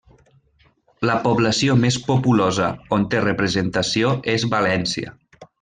La població més populosa on té representació és València.